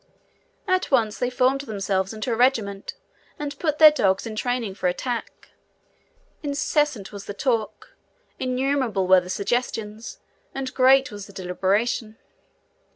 At once they formed themselves into a regiment, and put their dogs in training for attack. Incessant was the talk, innumerable were the suggestions, and great was the deliberation.